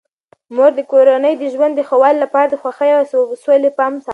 مور د کورني ژوند د ښه والي لپاره د خوښۍ او سولې پام ساتي.